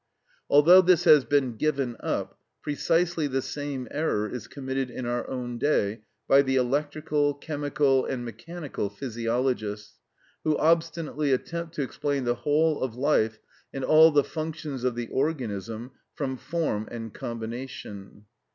Although this has been given up, precisely the same error is committed in our own day by the electrical, chemical, and mechanical physiologists, who obstinately attempt to explain the whole of life and all the functions of the organism from "form and combination."